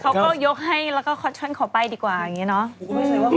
เขาก็ยกให้แล้วก็คอชชั่นขอไปดีกว่าอย่างนี้เนาะ